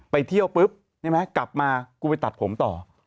ไปเที่ยวปุ๊บใช่ไหมกลับมากูไปตัดผมต่อ